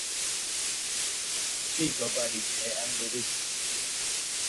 Почему Вы не поставили лошадь в шкаф?